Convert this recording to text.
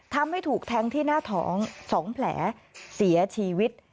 ทำให้ถูกแทงที่หน้าท้อง๒แผลเสียชีวิต